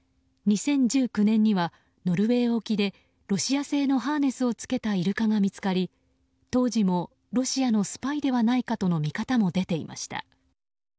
２０１９年にはノルウェー沖でロシア製のハーネスをつけたイルカが見つかり当時もロシアのスパイではないかとの見方も出ていました。